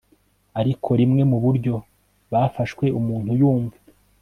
Ariko rimwe muburyo bafashwe umuntu yumva